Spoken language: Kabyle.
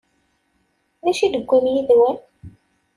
D acu i d-tewwim yid-wen?